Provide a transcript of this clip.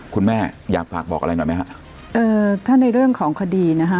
คุณแม่อยากฝากบอกอะไรหน่อยไหมฮะเอ่อถ้าในเรื่องของคดีนะฮะ